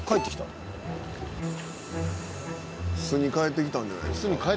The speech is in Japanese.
巣に帰ってきたんじゃないですか。